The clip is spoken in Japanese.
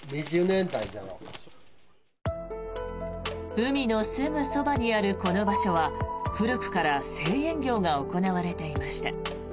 海のすぐそばにあるこの場所は古くから製塩業が行われていました。